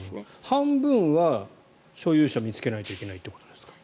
半分は所有者見つけないといけないということですか。